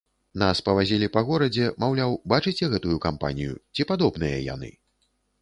Нас павазілі па горадзе, маўляў, бачыце гэтую кампанію, ці падобныя яны?